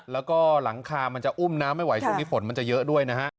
แล้วก็หลังคามันจะอุ้มน้ำไม่ไหวช่วงนี้ฝนมันจะเยอะด้วยนะฮะ